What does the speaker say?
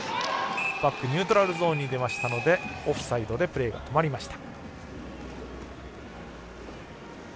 パックニュートラルゾーンに出たのでオフサイドでプレーが止まりました。